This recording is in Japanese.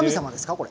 これ。